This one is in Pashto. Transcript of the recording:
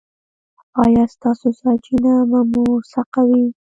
ایا ستاسو سرچینه به موثقه وي؟